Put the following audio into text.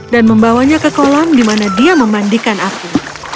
dan membawanya ke kolam di mana dia memandikan apu